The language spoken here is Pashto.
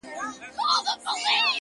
o دغه ياغي خـلـگـو بــه منـلاى نـــه ـ